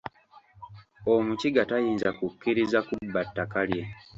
Omukiga tayinza kukkiriza kubba ttaka lye.